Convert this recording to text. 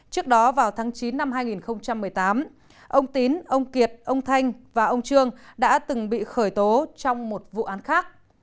trước đó vào tháng chín năm hai nghìn một mươi tám ông tín ông kiệt ông thanh và ông trương đã từng bị khởi tố trong một vụ án khác